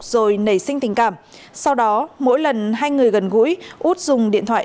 rồi nảy sinh tình cảm sau đó mỗi lần hai người gần gũi út dùng điện thoại